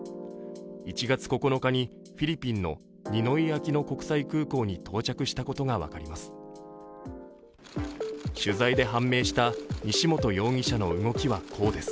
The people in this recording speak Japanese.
１月９日にフィリピンのニノイ・アキノ国際空港に到着したことが分かります。